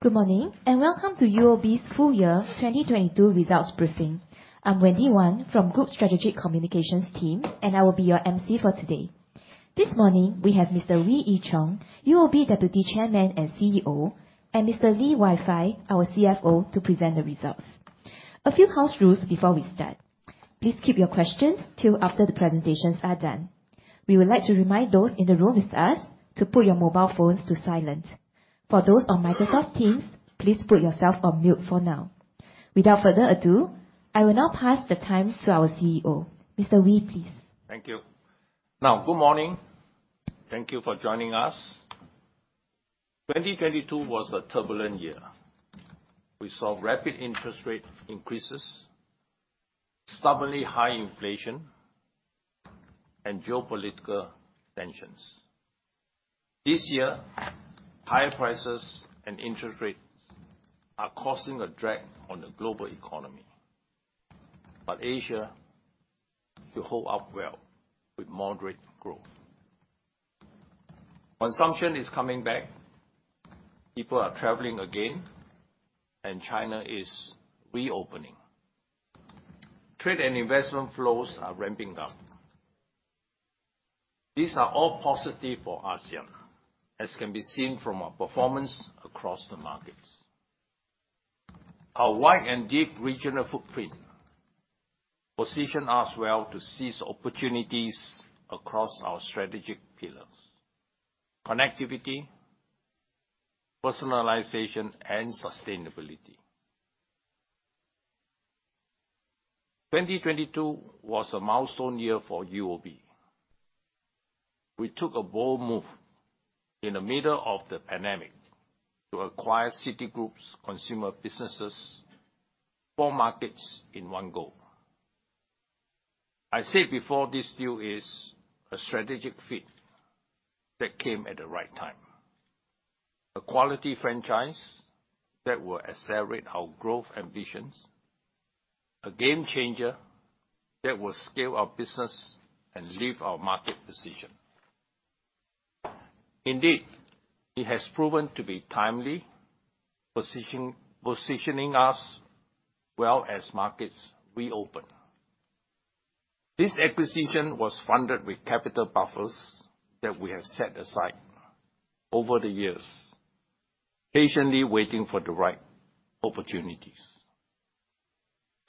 Good morning, welcome to UOB's full year 2022 results briefing. I'm Wendy Wan from Group Strategic Communications team, and I will be your MC for today. This morning, we have Mr. Wee Ee Cheong, UOB Deputy Chairman and CEO, and Mr. Lee Wai Fai, our CFO, to present the results. A few house rules before we start. Please keep your questions till after the presentations are done. We would like to remind those in the room with us to put your mobile phones to silent. For those on Microsoft Teams, please put yourself on mute for now. Without further ado, I will now pass the time to our CEO. Mr. Wee, please. Thank you. Good morning. Thank you for joining us. 2022 was a turbulent year. We saw rapid interest rate increases, stubbornly high inflation, and geopolitical tensions. This year, higher prices and interest rates are causing a drag on the global economy. Asia will hold up well with moderate growth. Consumption is coming back, people are traveling again, and China is reopening. Trade and investment flows are ramping up. These are all positive for ASEAN, as can be seen from our performance across the markets. Our wide and deep regional footprint position us well to seize opportunities across our strategic pillars: connectivity, personalization, and sustainability. 2022 was a milestone year for UOB. We took a bold move in the middle of the pandemic to acquire Citigroup's consumer businesses, 4 markets in one go. I said before, this deal is a strategic fit that came at the right time. A quality franchise that will accelerate our growth ambitions. A game changer that will scale our business and leave our market position. Indeed, it has proven to be timely, positioning us well as markets reopen. This acquisition was funded with capital buffers that we have set aside over the years, patiently waiting for the right opportunities.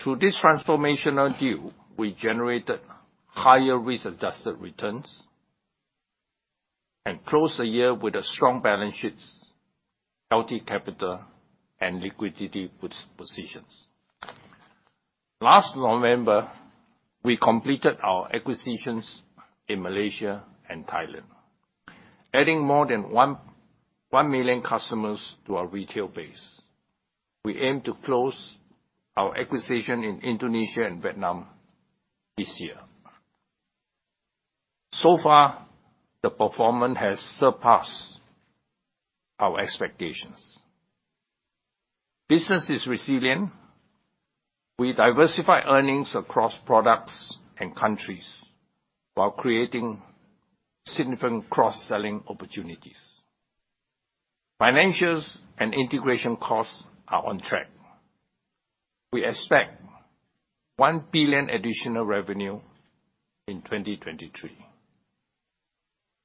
Through this transformational deal, we generated higher risk-adjusted returns and closed the year with strong balance sheets, healthy capital, and liquidity positions. Last November, we completed our acquisitions in Malaysia and Thailand, adding more than 1 million customers to our retail base. We aim to close our acquisition in Indonesia and Vietnam this year. So far, the performance has surpassed our expectations. Business is resilient. We diversify earnings across products and countries while creating significant cross-selling opportunities. Financials and integration costs are on track. We expect 1 billion additional revenue in 2023.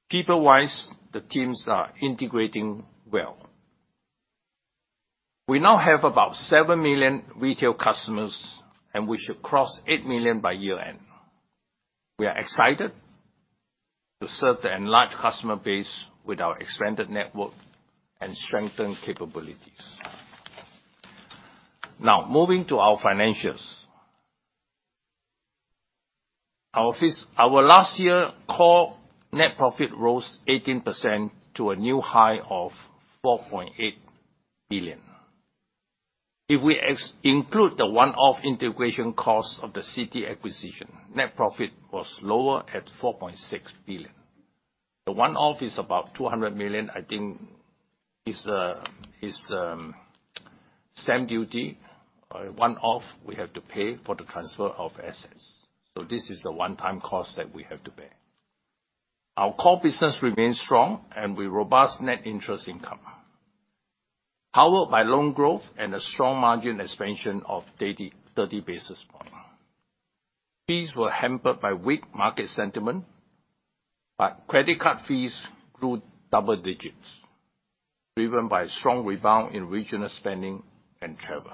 People-wise, the teams are integrating well. We now have about 7 million retail customers, and we should cross 8 million by year-end. We are excited to serve the enlarged customer base with our expanded network and strengthen capabilities. Moving to our financials. Our last year core net profit rose 18% to a new high of 4.8 billion. If we ex-include the one-off integration costs of the Citi acquisition, net profit was lower at 4.6 billion. The one-off is about 200 million, I think is stamp duty or a one-off we have to pay for the transfer of assets. This is a one-time cost that we have to bear. Our core business remains strong and with robust net interest income, powered by loan growth and a strong margin expansion of 30 basis points. Fees were hampered by weak market sentiment, but credit card fees grew double digits, driven by strong rebound in regional spending and travel.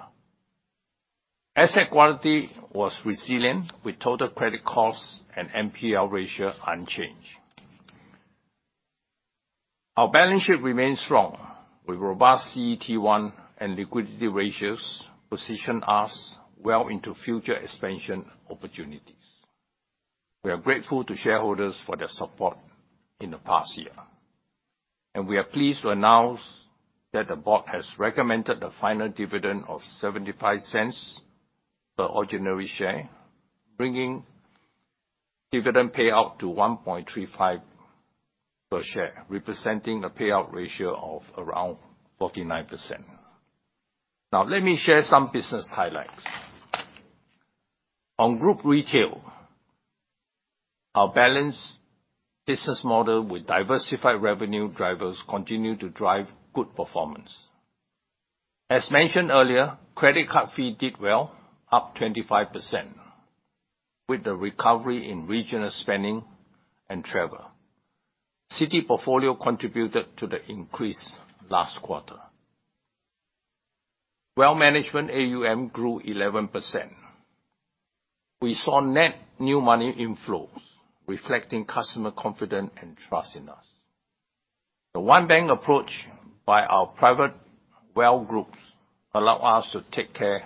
Asset quality was resilient, with total credit costs and NPL ratio unchanged. Our balance sheet remains strong, with robust CET1 and liquidity ratios position us well into future expansion opportunities. We are grateful to shareholders for their support in the past year, and we are pleased to announce that the board has recommended a final dividend of 0.75 per ordinary share, bringing dividend payout to 1.35 per share, representing a payout ratio of around 49%. Now, let me share some business highlights. On group retail, our balanced business model with diversified revenue drivers continue to drive good performance. As mentioned earlier, credit card fee did well, up 25% with the recovery in regional spending and travel. Citi portfolio contributed to the increase last quarter. Wealth management AUM grew 11%. We saw net new money inflows reflecting customer confidence and trust in us. The One Bank approach by our private wealth groups allow us to take care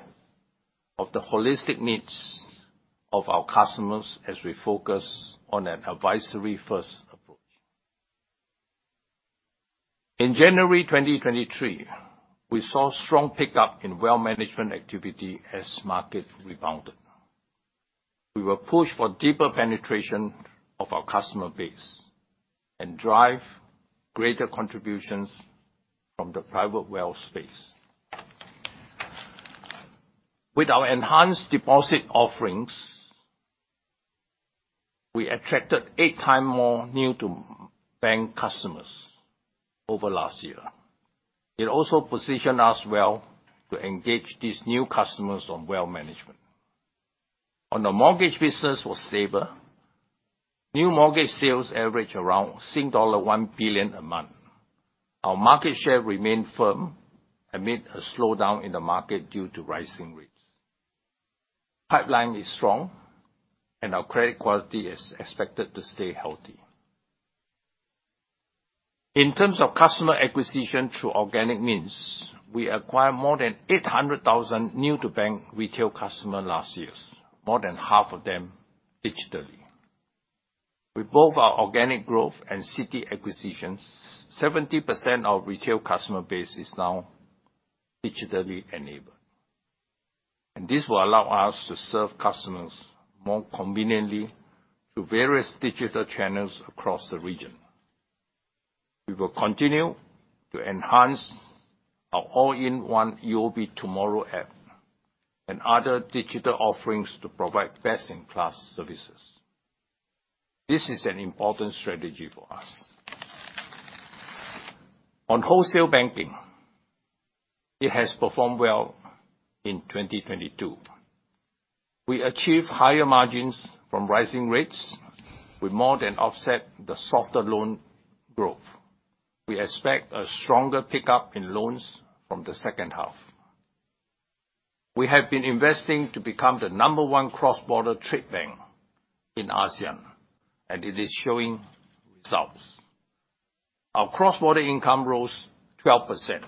of the holistic needs of our customers as we focus on an advisory-first approach. In January 2023, we saw strong pickup in wealth management activity as market rebounded. We will push for deeper penetration of our customer base and drive greater contributions from the private wealth space. With our enhanced deposit offerings, we attracted 8 times more new-to-bank customers over last year. It also positioned us well to engage these new customers on wealth management. On the mortgage business or saver, new mortgage sales average around SGD 1 billion a month. Our market share remained firm amid a slowdown in the market due to rising rates. Pipeline is strong, and our credit quality is expected to stay healthy. In terms of customer acquisition through organic means, we acquired more than 800,000 new-to-bank retail customer last year, more than half of them digitally. With both our organic growth and Citi acquisitions, 70% of retail customer base is now digitally enabled, and this will allow us to serve customers more conveniently through various digital channels across the region. We will continue to enhance our all-in-one UOB TMRW app and other digital offerings to provide best-in-class services. This is an important strategy for us. On wholesale banking, it has performed well in 2022. We achieved higher margins from rising rates. We more than offset the softer loan growth. We expect a stronger pickup in loans from the second half. It is showing results. Our cross-border income rose 12%,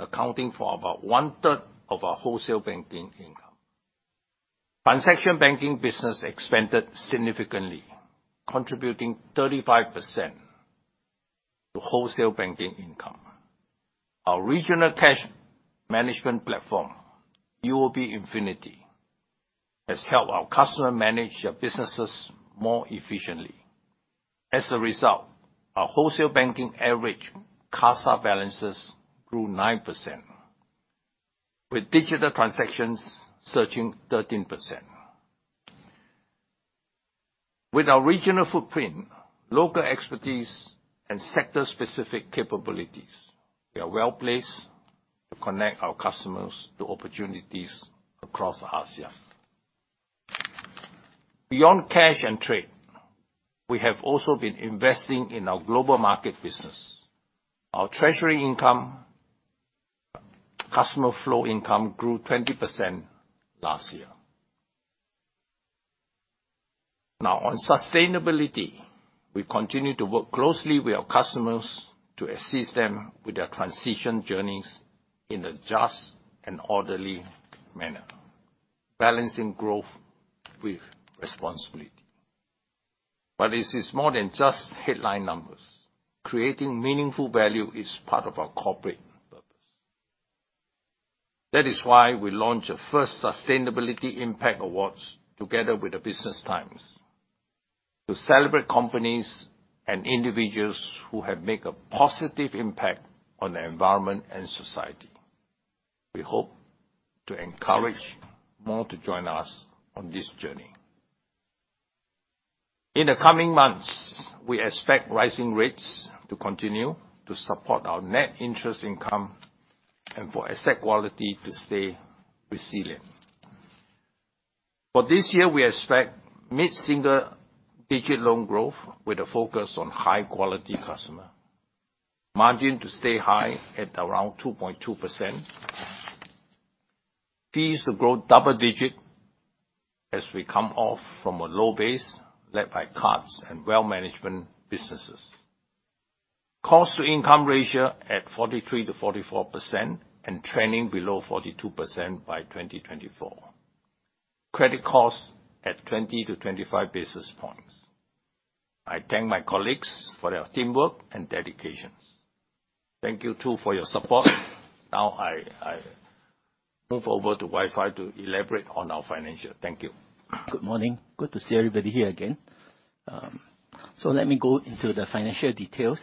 accounting for about one-third of our wholesale banking income. Transaction banking business expanded significantly, contributing 35% to wholesale banking income. Our regional cash management platform, UOB Infinity, has helped our customer manage their businesses more efficiently. As a result, our wholesale banking average CASA balances grew 9% with digital transactions surging 13%. With our regional footprint, local expertise, and sector-specific capabilities, we are well-placed to connect our customers to opportunities across ASEAN. Beyond cash and trade, we have also been investing in our global market business. Our treasury income, customer flow income grew 20% last year. On sustainability, we continue to work closely with our customers to assist them with their transition journeys in a just and orderly manner, balancing growth with responsibility. It is more than just headline numbers. Creating meaningful value is part of our corporate purpose. That is why we launched the first Sustainability Impact Awards together with The Business Times, to celebrate companies and individuals who have make a positive impact on the environment and society. We hope to encourage more to join us on this journey. In the coming months, we expect rising rates to continue to support our net interest income and for asset quality to stay resilient. For this year, we expect mid-single digit loan growth with a focus on high-quality customer. Margin to stay high at around 2.2%. Fees to grow double-digit as we come off from a low base led by cards and wealth management businesses. Cost-to-income ratio at 43%-44% and trending below 42% by 2024. Credit costs at 20 to 25 basis points. I thank my colleagues for their teamwork and dedications. Thank you, too, for your support. I move over to Wai Fai to elaborate on our financial. Thank you. Good morning. Good to see everybody here again. Let me go into the financial details.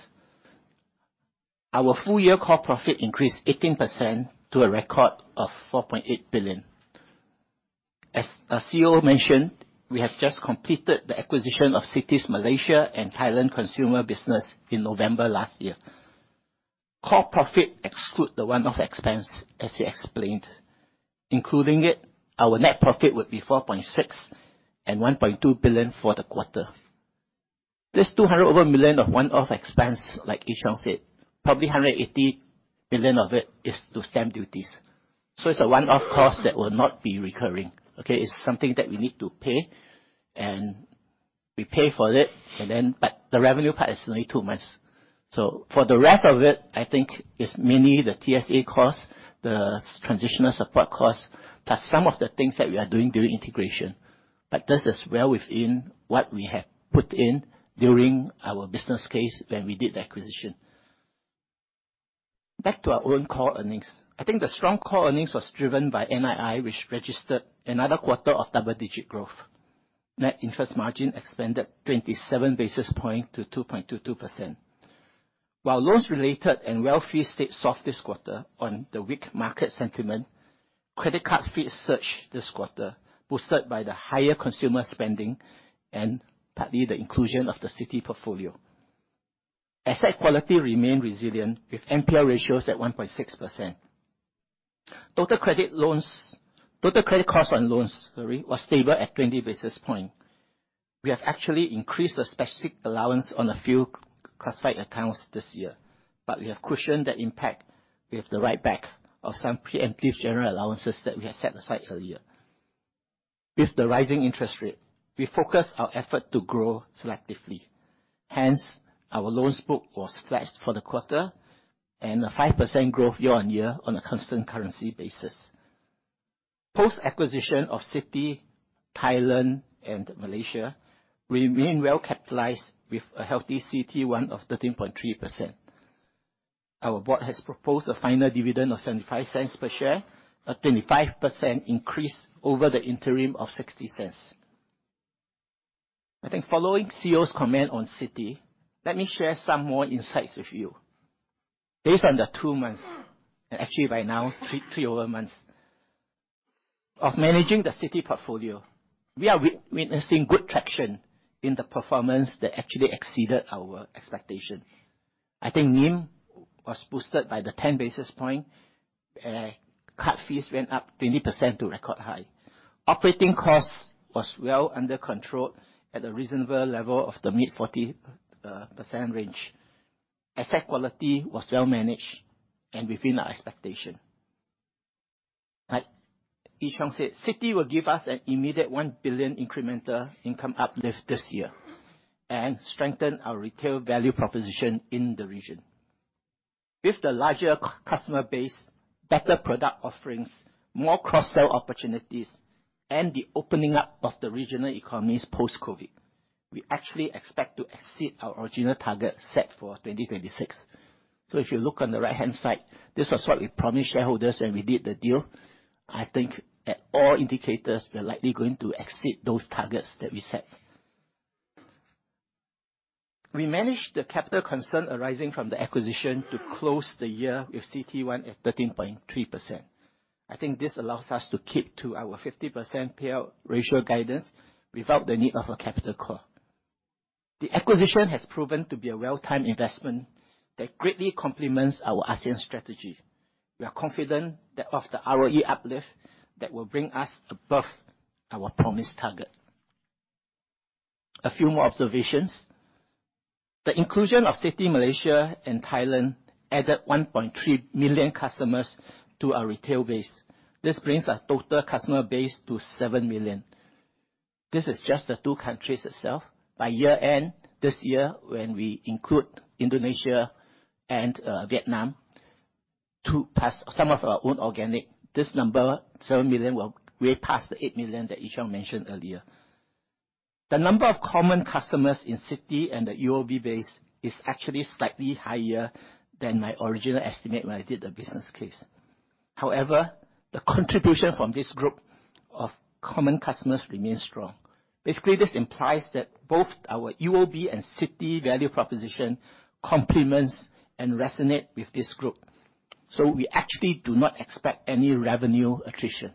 Our full year core profit increased 18% to a record of 4.8 billion. As CEO mentioned, we have just completed the acquisition of Citi's Malaysia and Thailand consumer business in November last year. Core profit exclude the one-off expense, as he explained. Including it, our net profit would be 4.6 billion and 1.2 billion for the quarter. This 200 million over of one-off expense, like Ee Cheong said, probably 180 million of it is to stamp duties. It's a one-off cost that will not be recurring. Okay? It's something that we need to pay, and we pay for it. The revenue part is only two months. For the rest of it, I think it's mainly the TSA cost, the transitional support cost, plus some of the things that we are doing during integration. This is well within what we have put in during our business case when we did the acquisition. Back to our own core earnings. I think the strong core earnings was driven by NII, which registered another quarter of double-digit growth. Net interest margin expanded 27 basis points to 2.22%. While loans related and wealth fee stayed soft this quarter on the weak market sentiment, credit card fees surged this quarter, boosted by the higher consumer spending and partly the inclusion of the Citi portfolio. Asset quality remained resilient with NPR ratios at 1.6%. Total credit cost on loans, sorry, was stable at 20 basis points. We have actually increased the specific allowance on a few classified accounts this year. We have cushioned that impact with the write-back of some preemptive general allowances that we had set aside earlier. With the rising interest rate, we focus our effort to grow selectively. Our loans book was flat for the quarter and a 5% growth year-on-year on a constant currency basis. Post-acquisition of Citi, Thailand and Malaysia remain well capitalized with a healthy CET1 of 13.3%. Our board has proposed a final dividend of 0.75 per share, a 25% increase over the interim of 0.60. I think following CEO's comment on Citi, let me share some more insights with you. Based on the two months, and actually by now, three over months, of managing the Citi portfolio, we are witnessing good traction in the performance that actually exceeded our expectation. I think NIM was boosted by the 10 basis points. Card fees went up 20% to record high. Operating costs was well under control at a reasonable level of the mid-40% range. Asset quality was well managed and within our expectation. Like Ee Cheong said, Citi will give us an immediate 1 billion incremental income uplift this year and strengthen our retail value proposition in the region. With the larger customer base, better product offerings, more cross-sell opportunities, and the opening up of the regional economies post-COVID, we actually expect to exceed our original target set for 2026. If you look on the right-hand side, this was what we promised shareholders when we did the deal. I think at all indicators, we're likely going to exceed those targets that we set. We managed the capital concern arising from the acquisition to close the year with CET1 at 13.3%. I think this allows us to keep to our 50% payout ratio guidance without the need of a capital core. The acquisition has proven to be a well-timed investment that greatly complements our ASEAN strategy. We are confident that of the ROE uplift that will bring us above our promised target. A few more observations. The inclusion of Citi Malaysia and Thailand added 1.3 million customers to our retail base. This brings our total customer base to 7 million. This is just the two countries itself. By year-end this year, when we include Indonesia and Vietnam to pass some of our own organic, this number, 7 million, will way past the 8 million that Ee Cheong mentioned earlier. The number of common customers in Citi and the UOB base is actually slightly higher than my original estimate when I did the business case. However, the contribution from this group of common customers remains strong. Basically, this implies that both our UOB and Citi value proposition complements and resonate with this group. We actually do not expect any revenue attrition.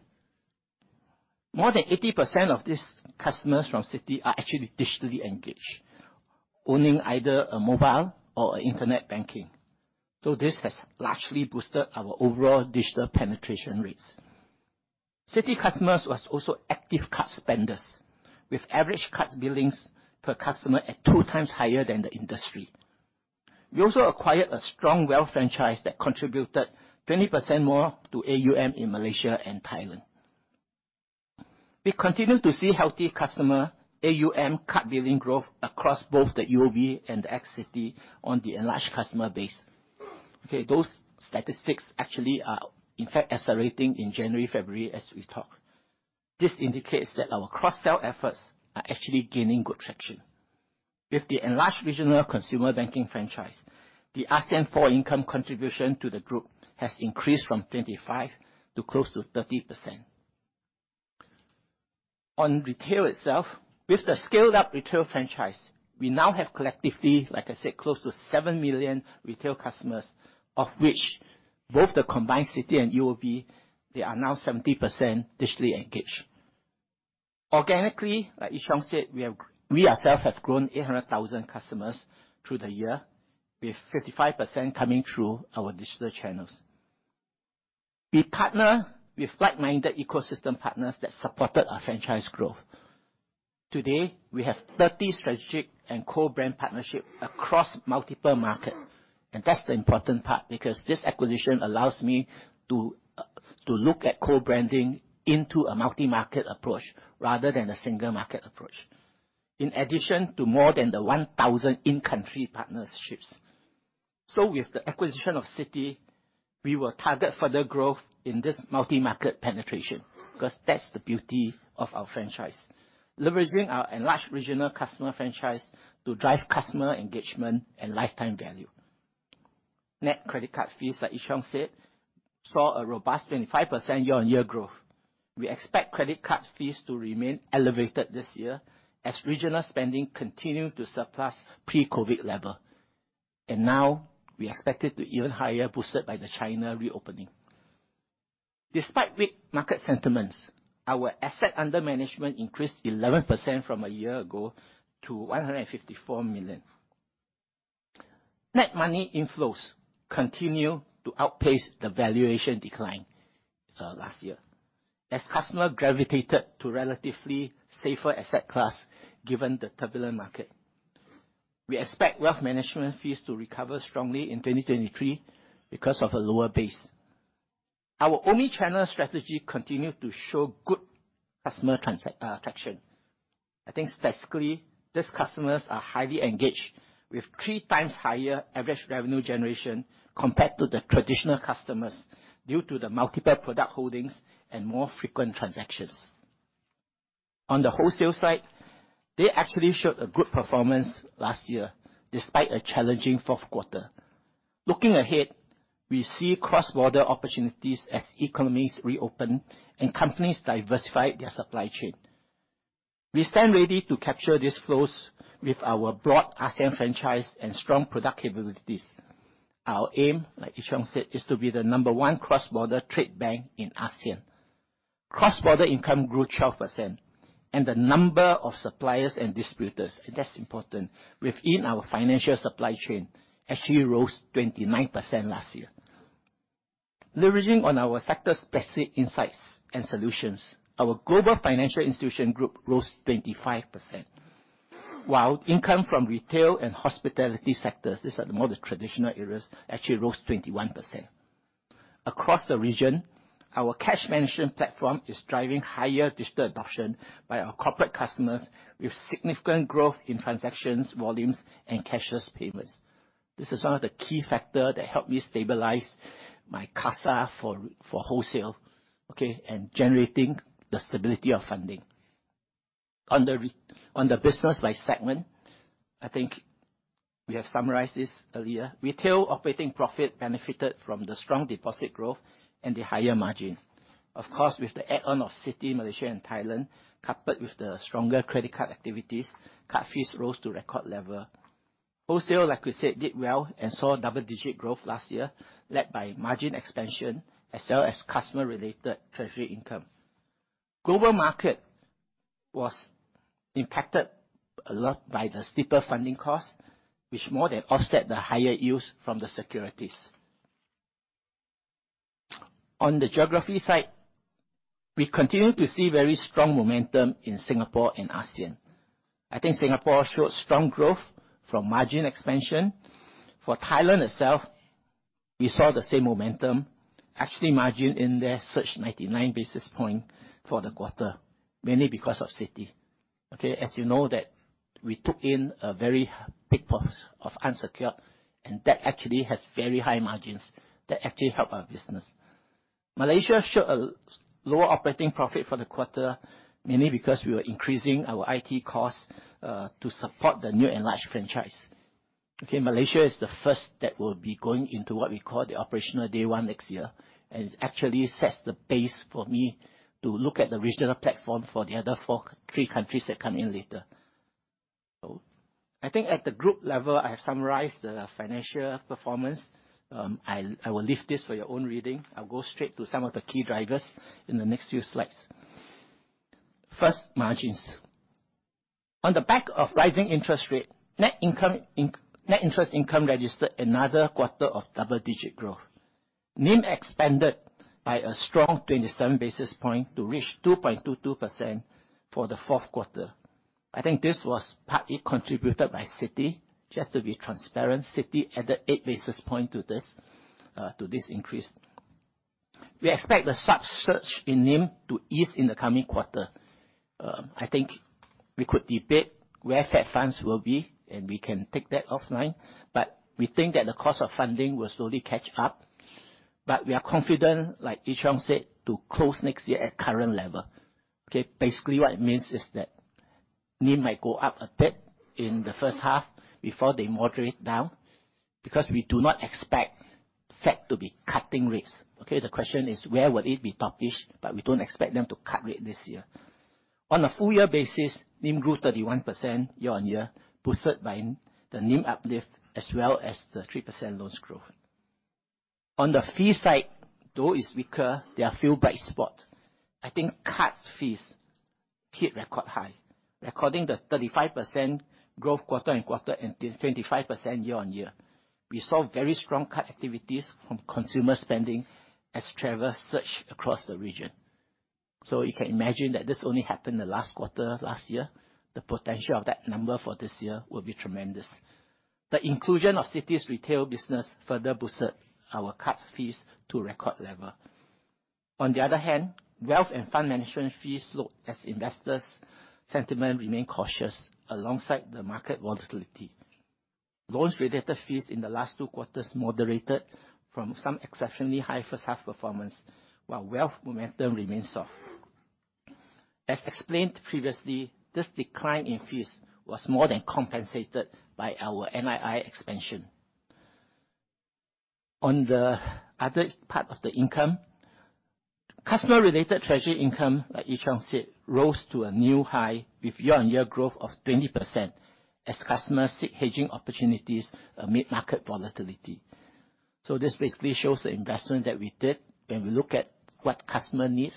More than 80% of these customers from Citi are actually digitally engaged, owning either a mobile or internet banking. This has largely boosted our overall digital penetration rates. Citi customers was also active card spenders, with average card billings per customer at 2 times higher than the industry. We also acquired a strong wealth franchise that contributed 20% more to AUM in Malaysia and Thailand. We continue to see healthy customer, AUM card billing growth across both the UOB and ex-Citi on the enlarged customer base. Those statistics actually are in fact accelerating in January, February as we talk. This indicates that our cross-sell efforts are actually gaining good traction. With the enlarged regional consumer banking franchise, the ASEAN 4 income contribution to the group has increased from 25% to close to 30%. On retail itself, with the scaled up retail franchise, we now have collectively, like I said, close to 7 million retail customers, of which both the combined Citi and UOB, they are now 70% digitally engaged. Organically, like Ee Cheong said, we ourselves have grown 800,000 customers through the year, with 55% coming through our digital channels. We partner with like-minded ecosystem partners that supported our franchise growth. Today, we have 30 strategic and co-brand partnership across multiple market. That's the important part, because this acquisition allows me to look at co-branding into a multi-market approach, rather than a single market approach. In addition to more than the 1,000 in-country partnerships. With the acquisition of Citi, we will target further growth in this multi-market penetration, 'cause that's the beauty of our franchise. Leveraging our enlarged regional customer franchise to drive customer engagement and lifetime value. Net credit card fees, like Ee Cheong said, saw a robust 25% year-on-year growth. We expect credit card fees to remain elevated this year as regional spending continue to surpass pre-COVID level. Now we expect it to even higher, boosted by the China reopening. Despite weak market sentiments, our asset under management increased 11% from a year ago to 154 million. Net money inflows continue to outpace the valuation decline last year, as customer gravitated to relatively safer asset class given the turbulent market. We expect wealth management fees to recover strongly in 2023 because of a lower base. Our omni-channel strategy continued to show good customer traction. I think statistically, these customers are highly engaged with three times higher average revenue generation compared to the traditional customers due to the multiple product holdings and more frequent transactions. On the wholesale side, they actually showed a good performance last year, despite a challenging fourth quarter. Looking ahead, we see cross-border opportunities as economies reopen and companies diversify their supply chain. We stand ready to capture these flows with our broad ASEAN franchise and strong product capabilities. Our aim, like Ee Cheong said, is to be the number one cross-border trade bank in ASEAN. Cross-border income grew 12%, and the number of suppliers and distributors, and that's important, within our financial supply chain actually rose 29% last year. Leveraging on our sector-specific insights and solutions, our global Financial Institutions Group rose 25%, while income from retail and hospitality sectors, these are more the traditional areas, actually rose 21%. Across the region, our cash management platform is driving higher digital adoption by our corporate customers with significant growth in transactions, volumes, and cashless payments. This is one of the key factor that helped me stabilize my CASA for wholesale, okay? Generating the stability of funding. On the business by segment, I think we have summarized this earlier. Retail operating profit benefited from the strong deposit growth and the higher margin. With the add-on of Citi Malaysia and Thailand, coupled with the stronger credit card activities, card fees rose to record level. Wholesale, like we said, did well and saw double-digit growth last year, led by margin expansion as well as customer-related treasury income. Global market was impacted a lot by the steeper funding costs, which more than offset the higher yields from the securities. On the geography side, we continue to see very strong momentum in Singapore and ASEAN. I think Singapore showed strong growth from margin expansion. For Thailand itself, we saw the same momentum. Actually, margin in there surged 99 basis points for the quarter, mainly because of Citi, okay? As you know that we took in a very big port of unsecured, that actually has very high margins that actually help our business. Malaysia showed a lower operating profit for the quarter, mainly because we were increasing our IT costs to support the new enlarged franchise. Malaysia is the first that will be going into what we call the Operational Day one next year, it actually sets the pace for me to look at the regional platform for the other three countries that come in later. I think at the group level, I have summarized the financial performance. I will leave this for your own reading. I'll go straight to some of the key drivers in the next few slides. First, margins. On the back of rising interest rate, net interest income registered another quarter of double-digit growth. NIM expanded by a strong 27 basis points to reach 2.22% for the fourth quarter. I think this was partly contributed by Citi. Just to be transparent, Citi added 8 basis points to this, to this increase. We expect the sharp surge in NIM to ease in the coming quarter. I think we could debate where Fed funds will be. We can take that offline. We think that the cost of funding will slowly catch up. We are confident, like Ee Cheong said, to close next year at current level, okay? Basically, what it means is that NIM might go up a bit in the first half before they moderate down, because we do not expect Fed to be cutting rates. Okay? The question is, where will it be top-ish? We don't expect them to cut rate this year. On a full year basis, NIM grew 31% year-on-year, boosted by the NIM uplift as well as the 3% loans growth. On the fee side, though it's weaker, there are few bright spot. I think cards fees hit record high, recording the 35% growth quarter-on-quarter and the 25% year-on-year. We saw very strong card activities from consumer spending as travelers surge across the region. You can imagine that this only happened the last quarter last year. The potential of that number for this year will be tremendous. The inclusion of Citi's retail business further boosted our cards fees to record level. On the other hand, wealth and fund management fees slowed as investors' sentiment remained cautious alongside the market volatility. Loans-related fees in the last two quarters moderated from some exceptionally high first half performance, while wealth momentum remains soft. As explained previously, this decline in fees was more than compensated by our NII expansion. On the other part of the income, customer-related treasury income, like Ee Cheong said, rose to a new high with year-on-year growth of 20% as customers seek hedging opportunities amid market volatility. This basically shows the investment that we did when we look at what customer needs.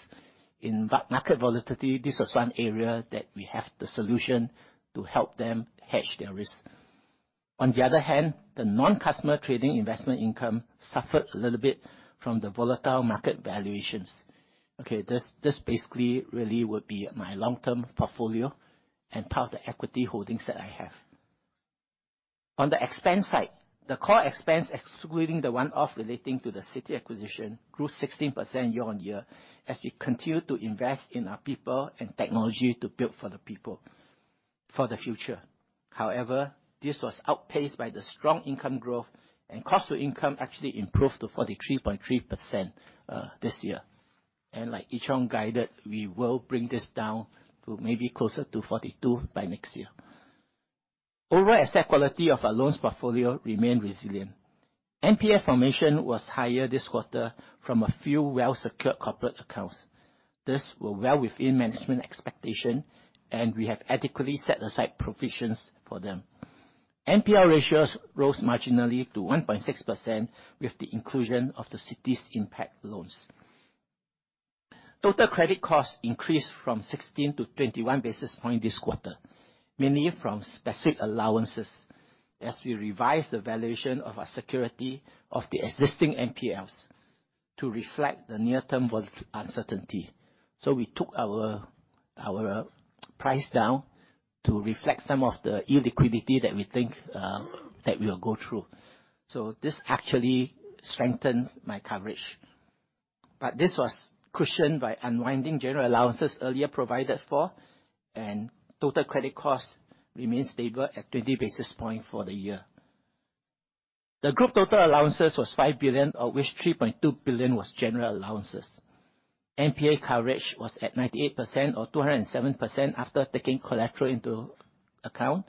In market volatility, this was one area that we have the solution to help them hedge their risk. On the other hand, the non-customer trading investment income suffered a little bit from the volatile market valuations. This basically really would be my long-term portfolio and part of the equity holdings that I have. On the expense side, the core expense, excluding the one-off relating to the Citi acquisition, grew 16% year-on-year as we continue to invest in our people and technology to build for the people for the future. This was outpaced by the strong income growth and cost to income actually improved to 43.3% this year. Like Ee Cheong guided, we will bring this down to maybe closer to 42% by next year. Overall asset quality of our loans portfolio remained resilient. NPL formation was higher this quarter from a few well-secured corporate accounts. This were well within management expectation, and we have adequately set aside provisions for them. NPL ratios rose marginally to 1.6% with the inclusion of the Citi's impact loans. Total credit costs increased from 16 to 21 basis points this quarter, mainly from specific allowances as we revised the valuation of our security of the existing NPLs to reflect the near-term uncertainty. We took our price down to reflect some of the illiquidity that we think that we will go through. This actually strengthens my coverage. This was cushioned by unwinding general allowances earlier provided for, and total credit costs remained stable at 20 basis points for the year. The group total allowances was 5 billion, of which 3.2 billion was general allowances. NPA coverage was at 98% or 207% after taking collateral into account.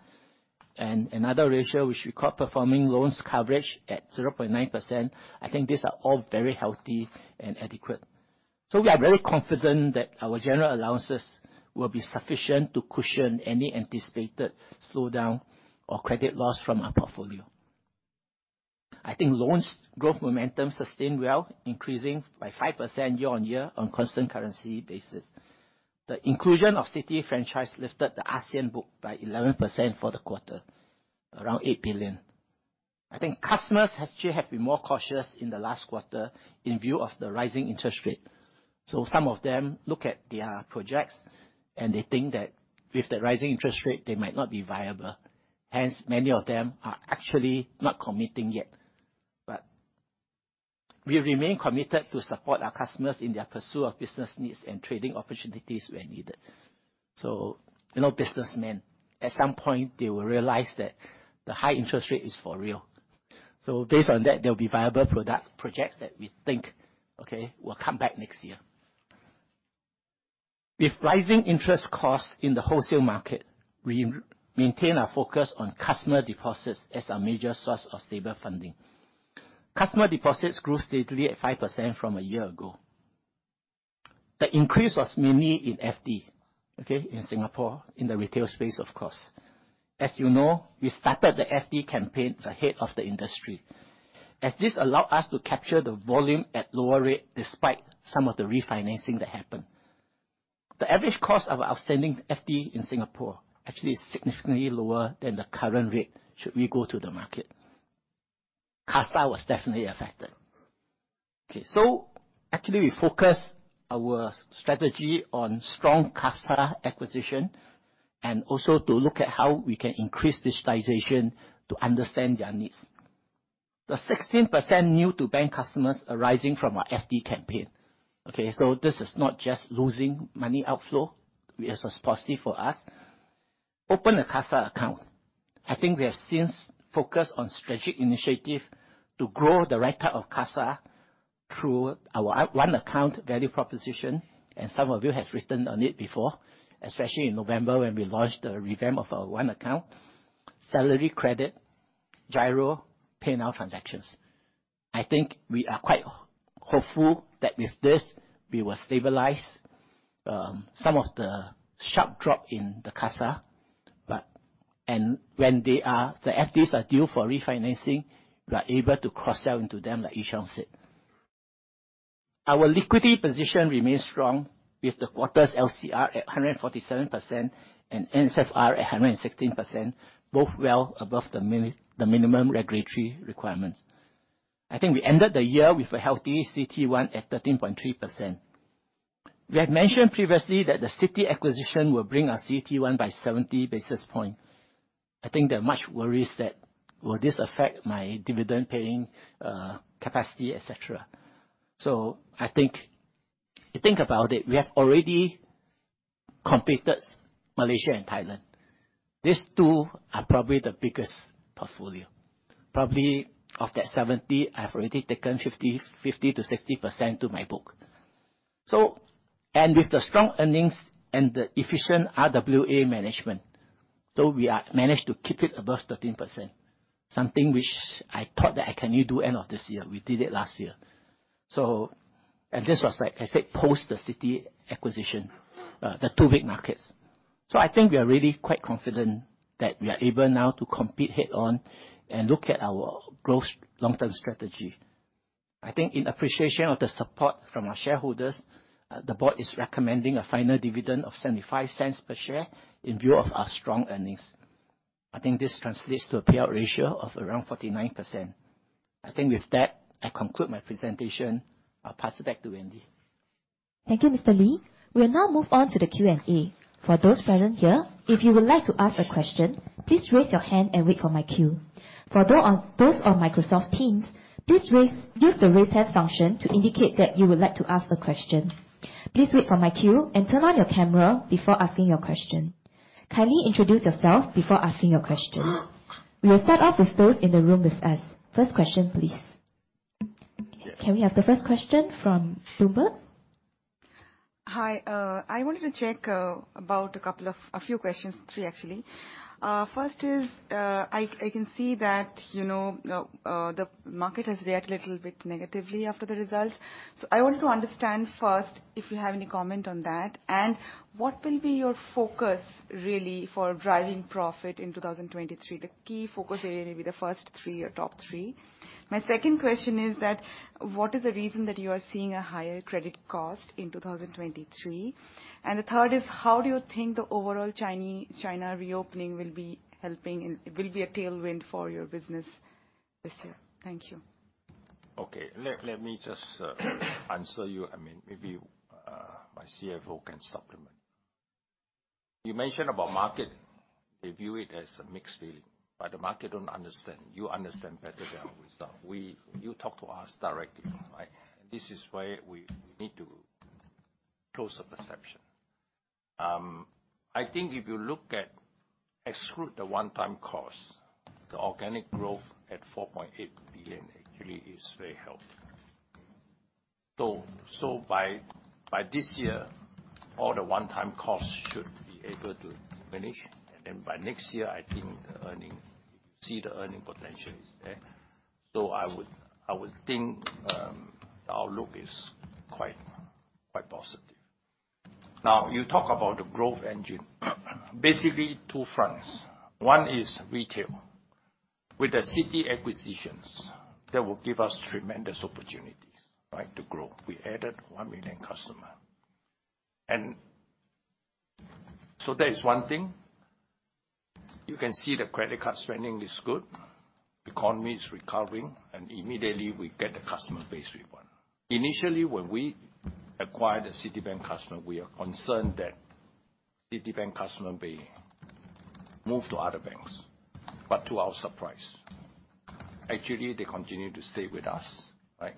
Another ratio which we call performing loans coverage at 0.9%, I think these are all very healthy and adequate. We are very confident that our general allowances will be sufficient to cushion any anticipated slowdown or credit loss from our portfolio. I think loans growth momentum sustained well, increasing by 5% year-on-year on constant currency basis. The inclusion of Citi franchise lifted the ASEAN book by 11% for the quarter, around 8 billion. I think customers actually have been more cautious in the last quarter in view of the rising interest rate. Some of them look at their projects and they think that with the rising interest rate, they might not be viable. Many of them are actually not committing yet. We remain committed to support our customers in their pursuit of business needs and trading opportunities where needed. You know businessmen, at some point, they will realize that the high interest rate is for real. Based on that, there will be viable projects that we think, okay, will come back next year. With rising interest costs in the wholesale market, we maintain our focus on customer deposits as our major source of stable funding. Customer deposits grew steadily at 5% from a year ago. The increase was mainly in FD, okay, in Singapore, in the retail space, of course. As you know, we started the FD campaign ahead of the industry, as this allowed us to capture the volume at lower rate despite some of the refinancing that happened. The average cost of outstanding FD in Singapore actually is significantly lower than the current rate should we go to the market. CASA was definitely affected. Actually we focus our strategy on strong CASA acquisition and also to look at how we can increase digitization to understand their needs. The 16% new to bank customers arising from our FD campaign, okay, this is not just losing money outflow. It was positive for us. Open a CASA account. I think we have since focused on strategic initiative to grow the right type of CASA, through our One Account value proposition, and some of you have written on it before, especially in November when we launched the revamp of our One Account, salary credit, GIRO, PayNow transactions. I think we are quite hopeful that with this we will stabilize some of the sharp drop in the CASA. When the FDs are due for refinancing, we are able to cross-sell into them, like Yee-Chong said. Our liquidity position remains strong with the quarter's LCR at 147% and NSFR at 116%, both well above the minimum regulatory requirements. I think we ended the year with a healthy CET1 at 13.3%. We have mentioned previously that the Citi acquisition will bring our CET1 by 70 basis points. I think there are much worries that will this affect my dividend paying capacity, et cetera. I think, you think about it, we have already completed Malaysia and Thailand. These two are probably the biggest portfolio. Probably of that 70 basis points, I've already taken 50%-60% to my book. With the strong earnings and the efficient RWA management, we are managed to keep it above 13%, something which I thought that I can only do end of this year, we did it last year. This was, like I said, post the Citi acquisition, the two big markets. I think we are really quite confident that we are able now to compete head-on and look at our growth long-term strategy. I think in appreciation of the support from our shareholders, the board is recommending a final dividend of 0.75 per share in view of our strong earnings. I think this translates to a payout ratio of around 49%. I think with that, I conclude my presentation. I'll pass it back to Wendy. Thank you, Mr. Lee. We'll now move on to the Q&A. For those present here, if you would like to ask a question, please raise your hand and wait for my cue. For those on Microsoft Teams, please use the Raise Hand function to indicate that you would like to ask a question. Please wait for my cue and turn on your camera before asking your question. Kindly introduce yourself before asking your question. We will start off with those in the room with us. First question, please. Yes. Can we have the first question from Bloomberg? Hi. I wanted to check about a few questions. Three, actually. First is, I can see that, you know, the market has reacted little bit negatively after the results. I wanted to understand first if you have any comment on that. What will be your focus really for driving profit in 2023, the key focus area, maybe the first three or top three? My second question is that what is the reason that you are seeing a higher credit cost in 2023? The third is, how do you think the overall China reopening will be helping and will be a tailwind for your business this year? Thank you. Okay. Let me just answer you. I mean, maybe my CFO can supplement. You mentioned about market. We view it as a mixed feeling. The market don't understand. You understand better than ourselves. You talk to us directly, right? This is why we need to close the perception. I think if you look at exclude the one-time cost, the organic growth at 4.8 billion actually is very healthy. By this year, all the one-time costs should be able to diminish. By next year, I think the earning potential is there. I would think the outlook is quite positive. You talk about the growth engine. Basically two fronts. One is retail. With the Citi acquisitions, that will give us tremendous opportunities, right? To grow. We added 1 million customer. That is one thing. You can see the credit card spending is good, economy is recovering, immediately we get the customer base we want. Initially, when we acquired the Citibank customer, we are concerned that Citibank customer may move to other banks. To our surprise, actually they continue to stay with us, right?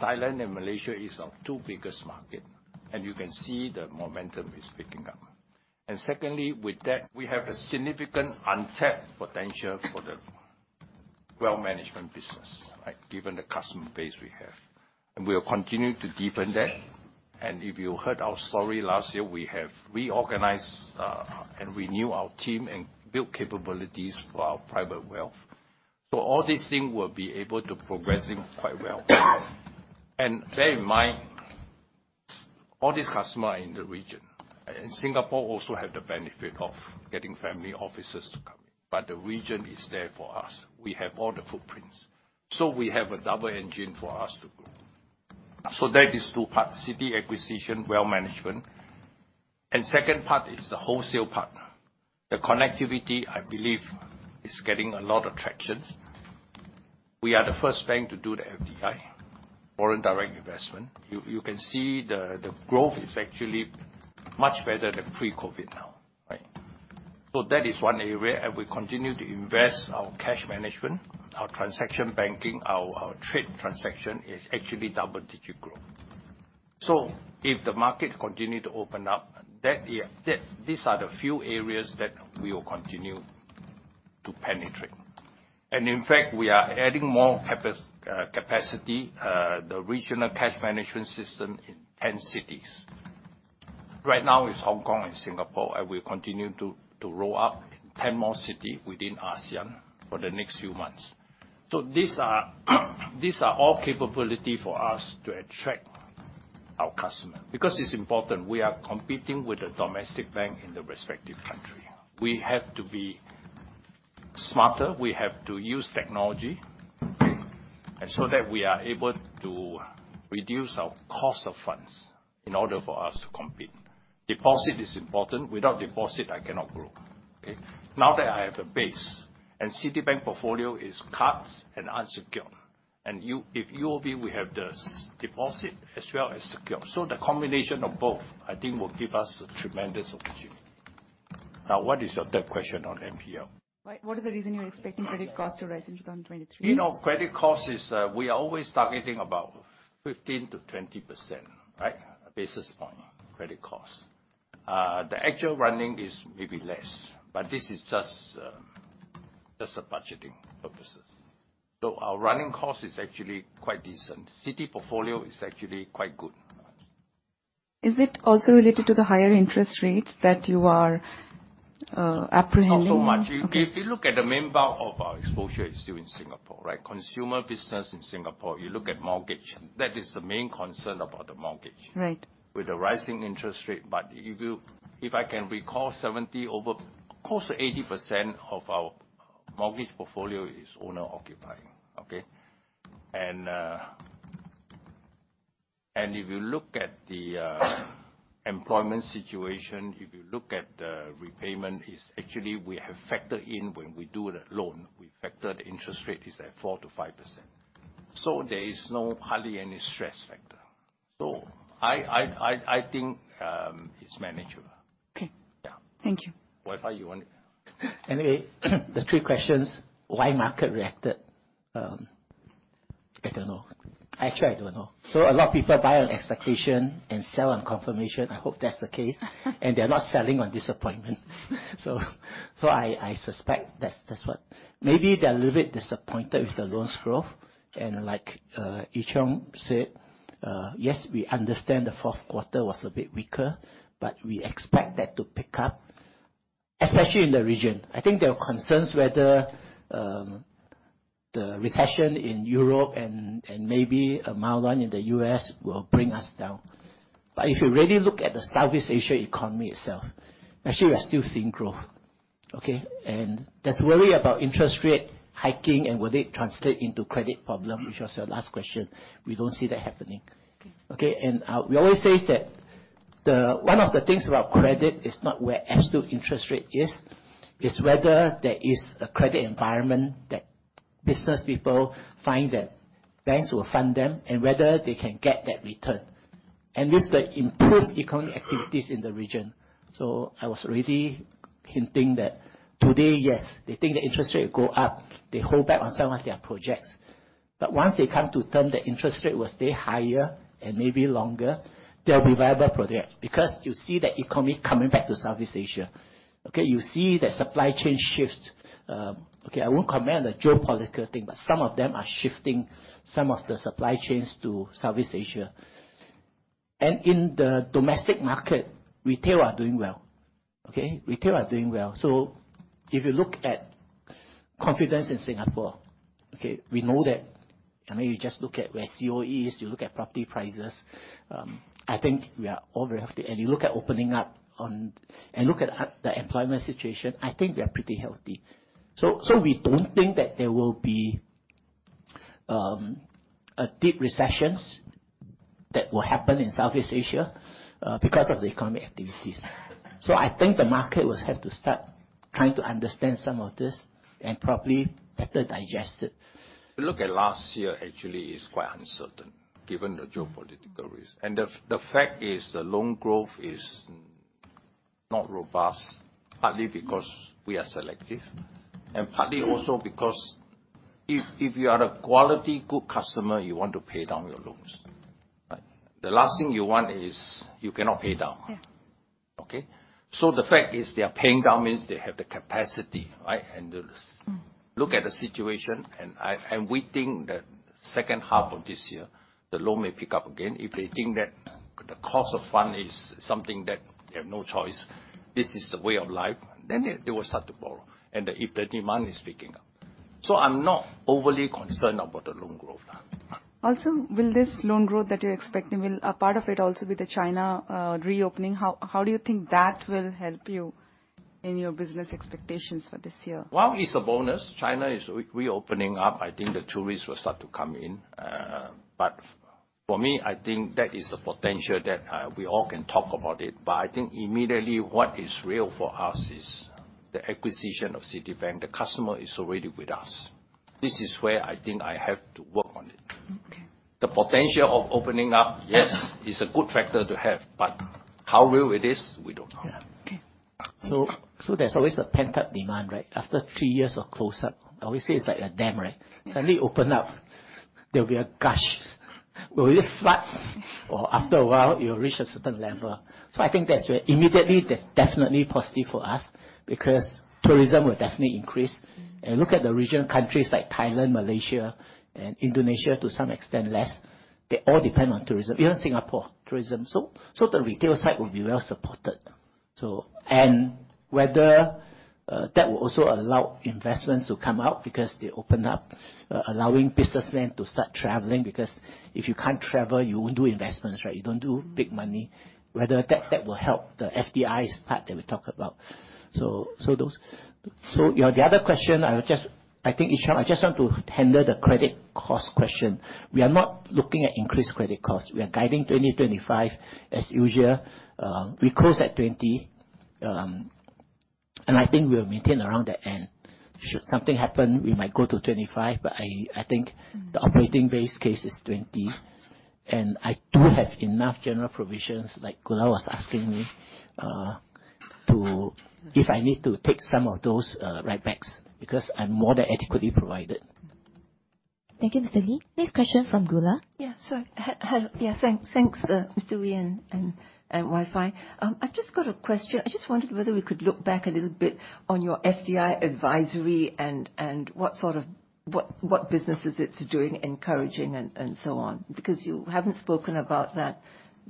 Thailand and Malaysia is our two biggest market, and you can see the momentum is picking up. Secondly, with that, we have a significant untapped potential for the wealth management business, right? Given the customer base we have. We are continuing to deepen that. If you heard our story last year, we have reorganized, and renew our team and built capabilities for our private wealth. All these things will be able to progressing quite well. Bear in mind, all these customer are in the region. Singapore also have the benefit of getting family offices to come in. The region is there for us. We have all the footprints. We have a double engine for us to grow. That is two-part, Citi acquisition, wealth management. Second part is the wholesale partner. The connectivity, I believe, is getting a lot of traction. We are the first bank to do the FDI, foreign direct investment. You can see the growth is actually much better than pre-COVID now, right? That is one area and we continue to invest our cash management, our transaction banking, our trade transaction is actually double-digit growth. If the market continue to open up, that, yeah, that these are the few areas that we will continue to. To penetrate. In fact, we are adding more capacity, the regional cash management system in 10 cities. Right now it's Hong Kong and Singapore, and we continue to roll out 10 more city within ASEAN for the next few months. These are all capability for us to attract our customer, because it's important. We are competing with the domestic bank in the respective country. We have to be smarter. We have to use technology, okay? That we are able to reduce our cost of funds in order for us to compete. Deposit is important. Without deposit, I cannot grow. Okay? Now that I have a base, Citibank portfolio is cards and unsecured, and if UOB we have this deposit as well as secure. The combination of both, I think will give us a tremendous opportunity. What is your third question on NPL? What is the reason you're expecting credit cost to rise in 2023? You know, credit cost is, we are always targeting about 15%-20%, right? Basis point credit costs. The actual running is maybe less, but this is just for budgeting purposes. Our running cost is actually quite decent. Citi portfolio is actually quite good. Is it also related to the higher interest rates that you are apprehending? Not so much. Okay. If you look at the main bulk of our exposure is still in Singapore, right? Consumer business in Singapore, you look at mortgage, that is the main concern about the mortgage. Right. With the rising interest rate. If I can recall, 70%-80% of our mortgage portfolio is owner occupying, okay? If you look at the employment situation, if you look at the repayment is actually we have factored in when we do the loan. We factor the interest rate is at 4%-5%. There is no hardly any stress factor. I think it's manageable. Okay. Yeah. Thank you. Wai Fai, you want it? The three questions, why market reacted? I don't know. Actually, I don't know. A lot of people buy on expectation and sell on confirmation. I hope that's the case. They're not selling on disappointment. I suspect that's what. Maybe they're a little bit disappointed with the loans growth and like E Cheong said, yes, we understand the fourth quarter was a bit weaker, but we expect that to pick up, especially in the region. I think there are concerns whether the recession in Europe and maybe a mild one in the U.S. will bring us down. If you really look at the Southeast Asia economy itself, actually we are still seeing growth. Okay? There's worry about interest rate hiking and will it translate into credit problem, which was your last question. We don't see that happening. Okay. We always say is that one of the things about credit is not where actual interest rate is, it's whether there is a credit environment that business people find that banks will fund them and whether they can get that return. With the improved economic activities in the region. I was already hinting that today, yes, they think the interest rate go up, they hold back on some of their projects, but once they come to term, the interest rate will stay higher and maybe longer, they'll be viable project because you see the economy coming back to Southeast Asia. You see the supply chain shift. I won't comment on the geopolitical thing, but some of them are shifting some of the supply chains to Southeast Asia. In the domestic market, retail are doing well. Retail are doing well. If you look at confidence in Singapore, okay, we know that... I mean, you just look at where COE is, you look at property prices, I think we are all very healthy. You look at opening up and look at the employment situation, I think we are pretty healthy. We don't think that there will be a deep recessions that will happen in Southeast Asia because of the economic activities. I think the market will have to start trying to understand some of this and probably better digest it. You look at last year actually is quite uncertain given the geopolitical risk. The fact is the loan growth is not robust, partly because we are selective and partly also because if you are a quality good customer, you want to pay down your loans, right? The last thing you want is you cannot pay down. Yeah. Okay? The fact is they are paying down means they have the capacity, right? Mm-hmm. Look at the situation and we think that second half of this year, the loan may pick up again. If they think that the cost of fund is something that they have no choice, this is the way of life, then they will start to borrow and if the demand is picking up. I'm not overly concerned about the loan growth. Also, will this loan growth that you're expecting, will a part of it also be the China reopening? How do you think that will help you in your business expectations for this year? Well, it's a bonus. China is reopening up. I think the tourists will start to come in. For me, I think that is a potential that we all can talk about it. I think immediately what is real for us is the acquisition of Citibank. The customer is already with us. This is where I think I have to work on it. Okay. The potential of opening up, yes, is a good factor to have, but how real it is, we don't know. Yeah. Okay. There's always a pent-up demand, right? After three years of closure. Obviously it's like a dam, right? Suddenly open up, there'll be a gush. Will it start or after a while you'll reach a certain level? I think that's where immediately that's definitely positive for us, because tourism will definitely increase. Look at the regional countries like Thailand, Malaysia and Indonesia to some extent less, they all depend on tourism. Even Singapore, tourism. The retail side will be well supported. Whether that will also allow investments to come out because they opened up, allowing businessmen to start traveling. Because if you can't travel, you won't do investments, right? You don't do big money. Whether that will help the FDIs part that we talked about. Those... Yeah, the other question, Ee Cheong, I just want to handle the credit cost question. We are not looking at increased credit costs. We are guiding 20-25 as usual. We close at 20, and I think we'll maintain around the end. Should something happen, we might go to 25, but I think the operating base case is 20. I do have enough general provisions, like Gula was asking me, if I need to take some of those write-backs, because I'm more than adequately provided. Thank you, Mr. Lee. Next question from Gula. Hi. Thanks Mr. Wee and Wai Fai. I've just got a question. I just wondered whether we could look back a little bit on your FDI advisory and what sort of... What businesses it's doing, encouraging and so on. Because you haven't spoken about that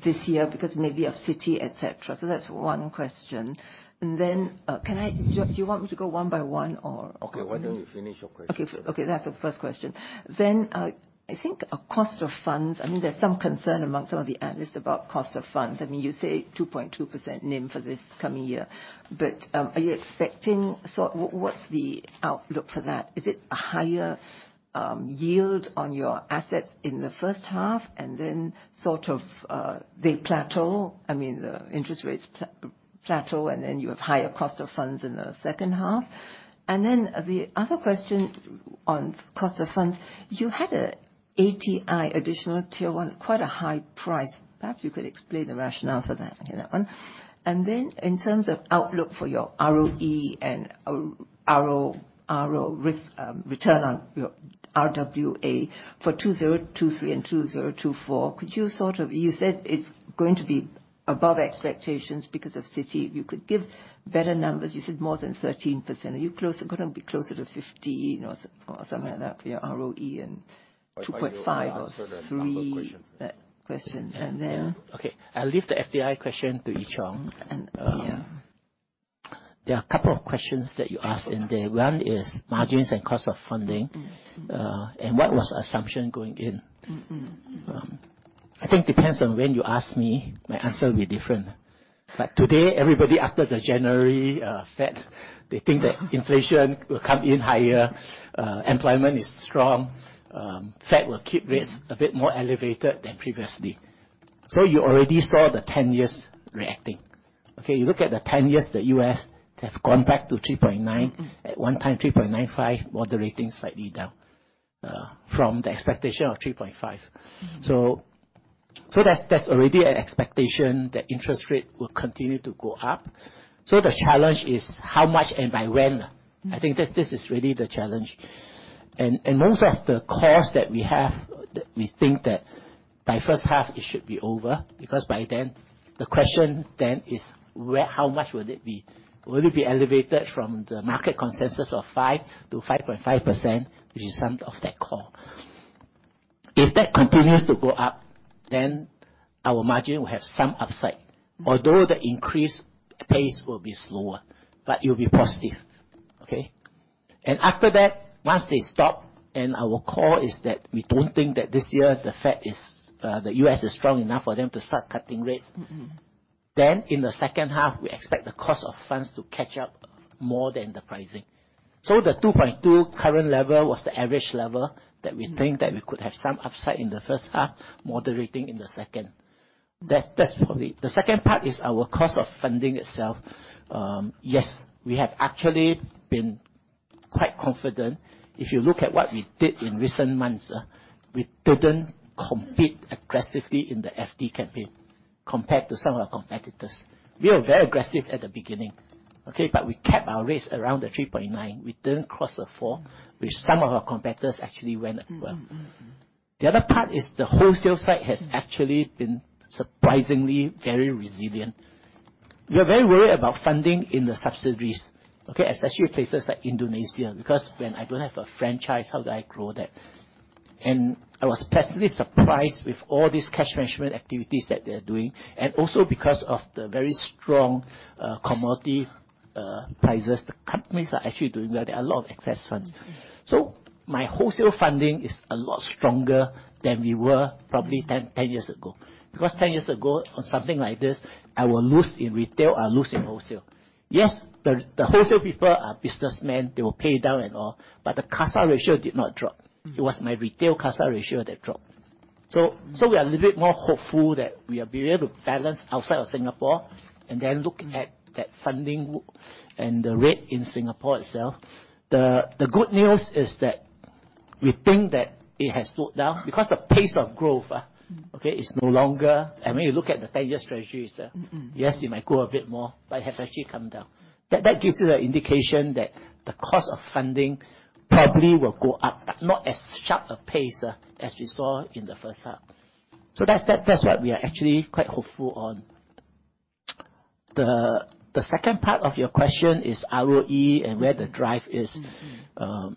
this year because maybe of Citi, etcetera. That's 1 question. Then, can I... Do you want me to go 1 by 1 or? Okay. Why don't you finish your question? Okay. Okay, that's the first question. I think, cost of funds, I mean, there's some concern among some of the analysts about cost of funds. I mean, you say 2.2% NIM for this coming year, are you expecting. What's the outlook for that? Is it a higher yield on your assets in the first half and then sort of, they plateau? I mean, the interest rates plateau, you have higher cost of funds in the second half. The other question on cost of funds, you had a ATI, additional tier one, quite a high price. Perhaps you could explain the rationale for that, you know? In terms of outlook for your ROE and return on your RWA for 2023 and 2024, could you? You said it's going to be above expectations because of Citi. You could give better numbers. You said more than 13%. Could it be closer to 15% or something like that for your ROE and 2.5% or 3%? Why don't you ask her the number of questions? That question. - Okay, I'll leave the FDI question to Ee Cheong. Yeah. There are a couple of questions that you asked, and one is margins and cost of funding. Mm-hmm. What was the assumption going in? Mm-hmm. I think depends on when you ask me, my answer will be different. Today, everybody after the January Fed, they think that inflation will come in higher, employment is strong, Fed will keep rates a bit more elevated than previously. You already saw the 10-years reacting. You look at the 10-years, the U.S., they have gone back to 3.9. Mm-hmm. At one time, 3.95%, moderating slightly down, from the expectation of 3.5%. Mm-hmm. That's already an expectation that interest rate will continue to go up. The challenge is how much and by when? Mm-hmm. I think this is really the challenge. Most of the calls that we have, we think that by first half it should be over, because by then the question then is where. How much will it be? Will it be elevated from the market consensus of 5%-5.5%, which is some of that call. If that continues to go up, then our margin will have some upside. Mm-hmm. The increase pace will be slower, but it'll be positive. Okay? After that, once they stop, and our call is that we don't think that this year the Fed is, the U.S. is strong enough for them to start cutting rates. Mm-hmm. In the second half, we expect the cost of funds to catch up more than the pricing. The 2.2% current level was the average level-. Mm-hmm. We think that we could have some upside in the first half, moderating in the second. That's probably... The second part is our cost of funding itself. Yes, we have actually been quite confident. If you look at what we did in recent months, we didn't compete aggressively in the FD campaign compared to some of our competitors. We were very aggressive at the beginning, okay? We kept our rates around the 3.9. We didn't cross the 4, which some of our competitors actually went as well. Mm-hmm. The other part is the wholesale side has actually been surprisingly very resilient. We are very worried about funding in the subsidiaries, okay? Especially places like Indonesia, because when I don't have a franchise, how do I grow that? I was pleasantly surprised with all these cash management activities that they're doing, and also because of the very strong commodity prices, the companies are actually doing well. There are a lot of excess funds. Mm-hmm. My wholesale funding is a lot stronger than we were probably 10 years ago. 10 years ago, on something like this, I will lose in retail, I'll lose in wholesale. Yes, the wholesale people are businessmen. They will pay down and all, but the CASA ratio did not drop. Mm-hmm. It was my retail CASA ratio that dropped. we are a little bit more hopeful that we are be able to balance outside of Singapore and then look at that funding and the rate in Singapore itself. The good news is that we think that it has slowed down because the pace of growth, okay, is no longer. I mean, you look at the ten-year treasuries. Mm-hmm. Yes, it might grow a bit more, but it has actually come down. That gives you the indication that the cost of funding probably will go up, but not as sharp a pace as we saw in the first half. That's why we are actually quite hopeful on. The second part of your question is ROE and where the drive is. Mm-hmm.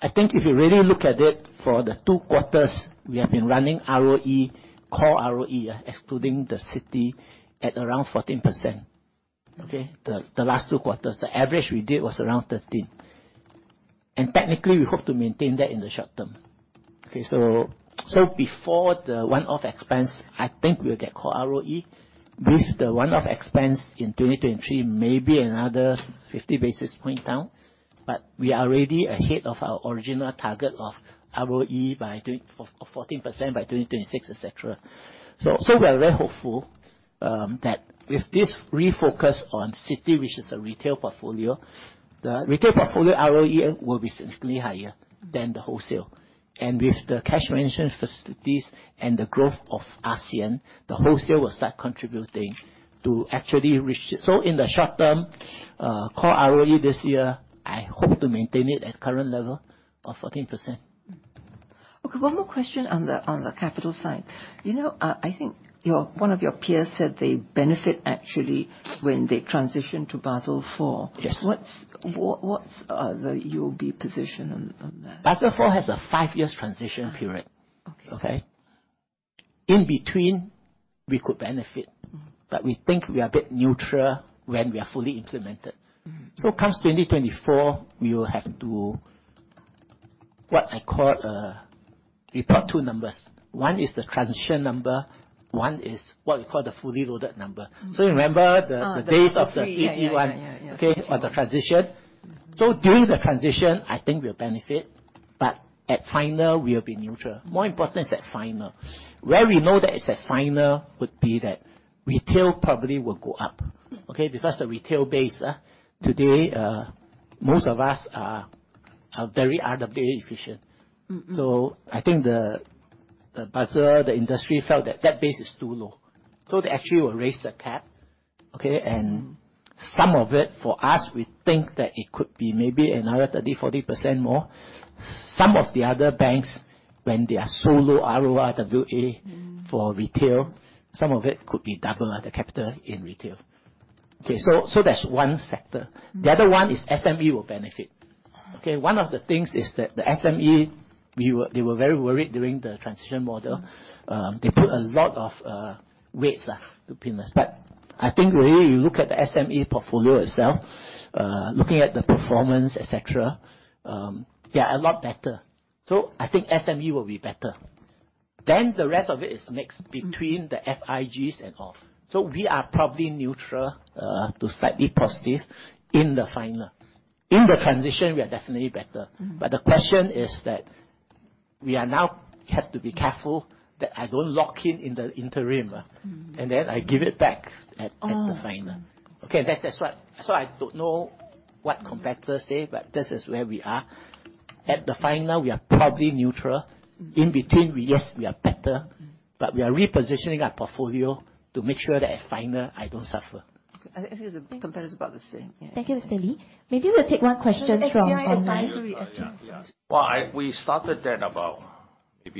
I think if you really look at it for the two quarters we have been running ROE, core ROE, excluding the Citi at around 14%. The last two quarters, the average we did was around 13. Technically, we hope to maintain that in the short term. Before the one-off expense, I think we'll get core ROE. With the one-off expense in 2023 maybe another 50 basis points down, but we are already ahead of our original target of ROE of 14% by 2026, et cetera. We are very hopeful that with this refocus on Citi, which is a retail portfolio, the retail portfolio ROE will be significantly higher than the wholesale. With the cash management facilities and the growth of ASEAN, the wholesale will start contributing to actually reach it. In the short term, core ROE this year, I hope to maintain it at current level of 14%. Okay, one more question on the, on the capital side. You know, I think one of your peers said they benefit actually when they transition to Basel IV. Yes. What's the UOB position on that? Basel IV has a five years transition period. Okay. Okay? In between we could benefit. Mm-hmm. We think we are a bit neutral when we are fully implemented. Mm-hmm. comes 2024, we will have to, what I call, report two numbers. One is the transition number, one is what we call the fully loaded number. Mm. So remember the- Oh, the Basel III. The days of the SIBOR. Yeah, yeah. Okay? The transition. Mm-hmm. During the transition, I think we'll benefit, but at final, we'll be neutral. More important is at final. Where we know that it's at final would be that retail probably will go up. Mm. Okay? Because the retail base, today, most of us are very RWA efficient. Mm-hmm. I think the Basel, the industry felt that that base is too low, so they actually will raise the cap, okay? Some of it, for us, we think that it could be maybe another 30%, 40% more. Some of the other banks, when they are so low RWA... Mm. for retail, some of it could be double the capital in retail. Okay, so that's one sector. Mm-hmm. The other one is SME will benefit. Okay? One of the things is that the SME, they were very worried during the transition model. They put a lot of weights to payment. I think really you look at the SME portfolio itself, looking at the performance, et cetera, they are a lot better. I think SME will be better. The rest of it is mixed between the FIG's and off. We are probably neutral to slightly positive in the final. In the transition, we are definitely better. Mm-hmm. The question is that we are now have to be careful that I don't lock in in the interim. Mm-hmm. I give it back at the final. Oh. Okay? That's what... I don't know what competitors say, but this is where we are. At the final, we are probably neutral. Mm-hmm. In between, yes, we are better- Mm. We are repositioning our portfolio to make sure that at final, I don't suffer. Okay. I think the competitors about the same. Yeah. Thank you, Mr. Lee. Maybe we'll take one question from line. Yeah, yeah. Advisory. Well, we started that about. 10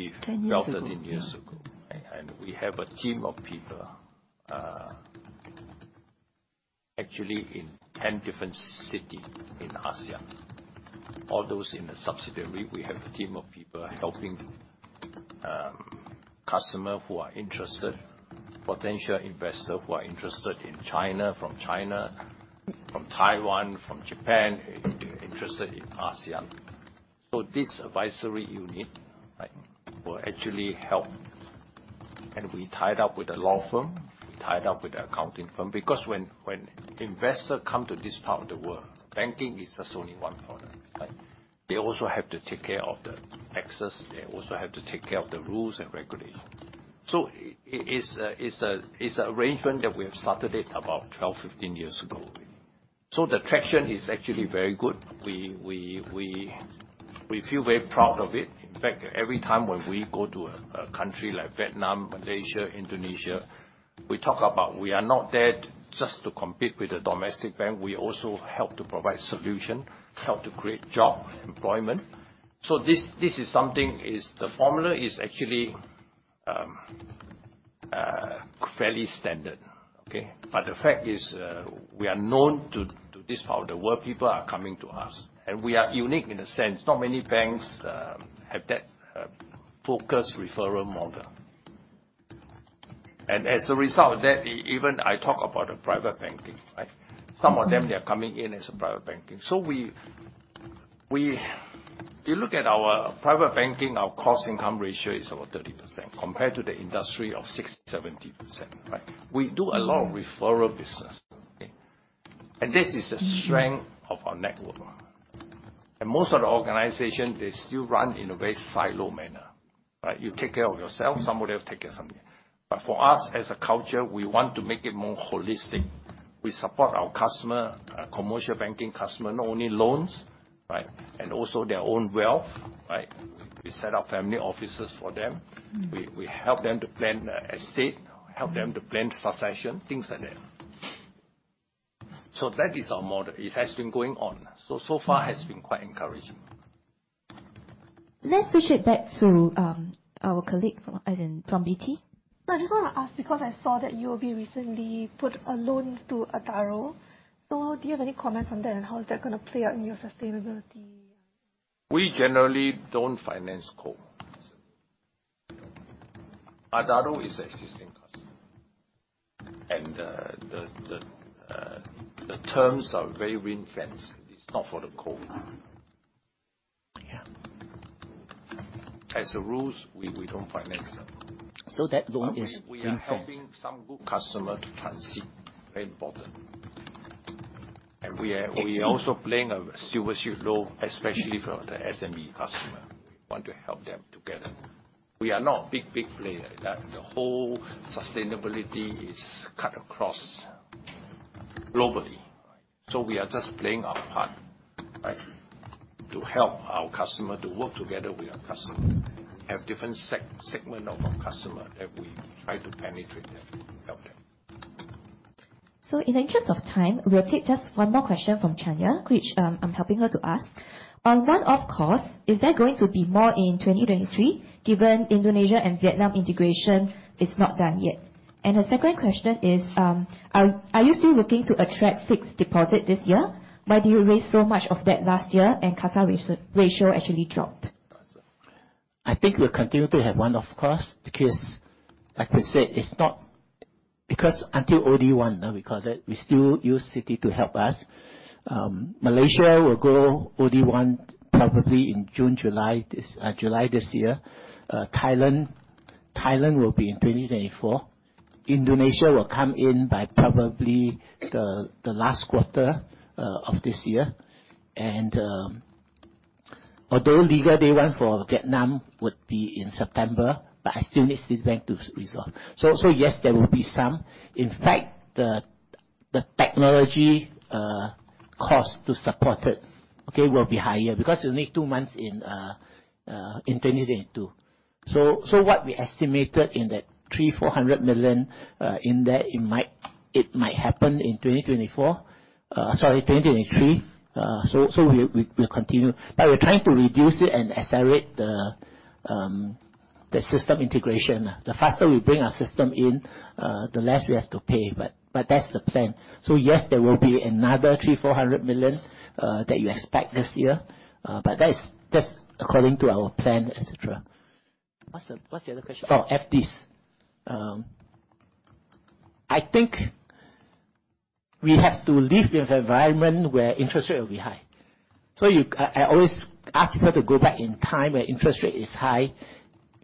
years ago. 12, 13 years ago. We have a team of people, actually in 10 different city in ASEAN. All those in the subsidiary, we have a team of people helping, customer who are interested, potential investor who are interested in China, from China, from Taiwan, from Japan, interested in ASEAN. This advisory unit, right, will actually help. We tied up with a law firm, we tied up with an accounting firm, because when investor come to this part of the world, banking is only one product, right? They also have to take care of the taxes, they also have to take care of the rules and regulations. It's an arrangement that we have started it about 12, 15 years ago. The traction is actually very good. We feel very proud of it. In fact, every time when we go to a country like Vietnam, Malaysia, Indonesia, we talk about we are not there just to compete with the domestic bank, we also help to provide solution, help to create job, employment. The formula is actually fairly standard. Okay? The fact is, we are known to this part of the world, people are coming to us. We are unique in a sense. Not many banks have that focused referral model. As a result of that, even I talk about the private banking, right? Some of them, they are coming in as a private banking. You look at our private banking, our cost income ratio is about 30% compared to the industry of 60%-70%, right? We do a lot of referral business. Okay? This is the strength of our network. Most of the organization, they still run in a very silo manner, right? You take care of yourself, somebody will take care of something. For us, as a culture, we want to make it more holistic. We support our customer, commercial banking customer, not only loans, right, and also their own wealth, right? We set up family offices for them. Mm-hmm. We help them to plan estate, help them to plan succession, things like that. That is our model. It has been going on. So far has been quite encouraging. Let's switch it back to our colleague from BT. I just wanna ask because I saw that UOB recently put a loan to Adaro. Do you have any comments on that, and how is that gonna play out in your sustainability? We generally don't finance coal. Adaro is an existing customer. The terms are very ring-fenced. It's not for the coal. Yeah. As a rule, we don't finance them. That loan is ring-fenced. We are helping some good customer to transit. Very important. We are also playing a supervisory role, especially for the SME customer. We want to help them together. We are not big player. The whole sustainability is cut across globally, right? We are just playing our part, right, to help our customer to work together with our customer, have different segment of our customer that we try to penetrate them, help them. In the interest of time, we'll take just one more question from Chanya, which I'm helping her to ask. On one-off costs, is there going to be more in 2023, given Indonesia and Vietnam integration is not done yet? Her second question is, are you still looking to attract fixed deposit this year? Why do you raise so much of that last year and CASA ratio actually dropped? I think we'll continue to have one-off costs because like we said, until OD one, we call it, we still use Citi to help us. Malaysia will go OD one probably in June, July this year. Thailand will be in 2024. Indonesia will come in by probably the last quarter of this year. Although legal day one for Vietnam would be in September, but I still need Citibank to resolve. Yes, there will be some. In fact, the technology cost to support it, okay, will be higher because you need two months in 2022. What we estimated in that 300 million-400 million, in that it might happen in 2024, sorry, 2023. We'll continue. We're trying to reduce it and accelerate the system integration. The faster we bring our system in, the less we have to pay. That's the plan. Yes, there will be another 300 million-400 million that you expect this year. That is just according to our plan, et cetera. What's the other question? FDs. I think we have to live in an environment where interest rate will be high. You... I always ask people to go back in time when interest rate is high.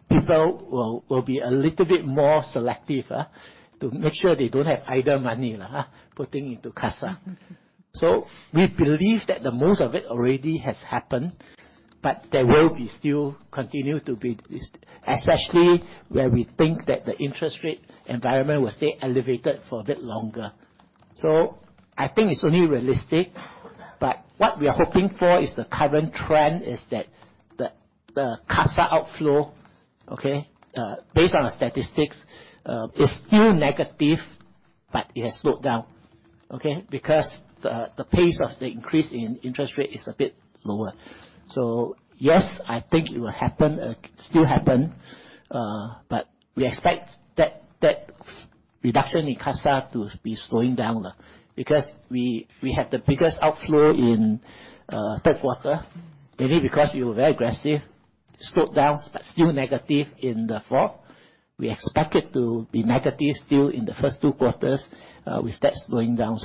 People will be a little bit more selective to make sure they don't have idle money putting into CASA. We believe that the most of it already has happened, but there will be still continue to be this, especially where we think that the interest rate environment will stay elevated for a bit longer. I think it's only realistic, but what we are hoping for is the current trend, is that the CASA outflow, okay, based on the statistics, is still negative, but it has slowed down, okay? Because the pace of the increase in interest rate is a bit lower. Yes, I think it will happen, still happen, but we expect that reduction in CASA to be slowing down, because we had the biggest outflow in third quarter, maybe because we were very aggressive. Slowed down, but still negative in the fourth. We expect it to be negative still in the first two quarters, with that slowing down.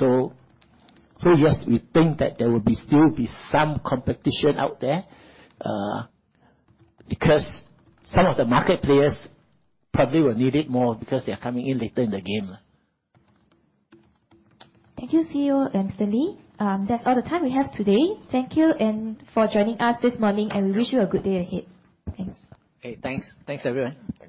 Yes, we think that there will be still be some competition out there, because some of the market players probably will need it more because they are coming in later in the game. Thank you, CEO and Stanley. That's all the time we have today. Thank you and for joining us this morning. Mm-hmm. We wish you a good day ahead. Thanks. Okay, thanks. Thanks, everyone.